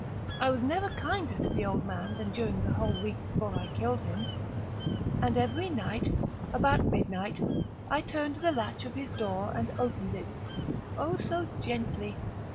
I was never kinder to the old man than during the whole week before I killed him. And every night, about midnight, I turned the latch of his door and opened it—oh, so gently!